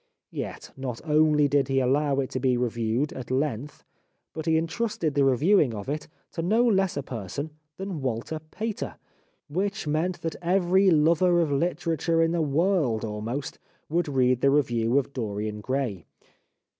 Yet not only did he allow it to be reviewed, at length, but he en trusted the reviewing of it to no less a person 308 The Life of Oscar Wilde than Walter Pater, which meant that every lover of literature in the world almost would read the review of " Dorian Gray."